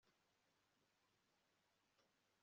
Ufite ameza kuri patio